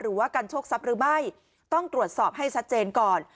หรือว่าการโชคทรัพย์หรือไม่ต้องตรวจสอบให้ชัดเจนก่อน